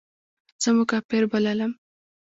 زه مو کافر بللم.